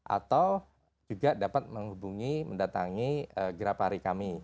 atau juga dapat menghubungi mendatangi grafari kami